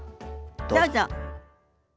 どうぞ。